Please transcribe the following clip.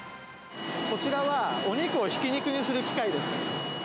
こちらは、お肉をひき肉にする機械です。